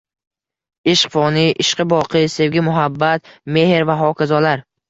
“Ishqi foniy”, “Ishqi boqiy”, “Sevgi”, “Muhabbat”, “Mehr” va hokazolar...